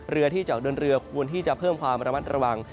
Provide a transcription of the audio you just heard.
เรือที่จะออกเดินเรือควรที่จะเพิ่มความระมัดระวัง